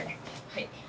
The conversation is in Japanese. はい。